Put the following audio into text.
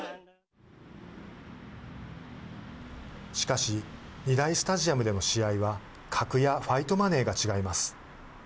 しかし２大スタジアムでの試合は格やファイトマネーが違います。